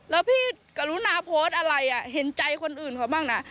แล้วพี่กรุณาโพสต์อะไรเห็นใจคนอื่นเขาบ้างนะ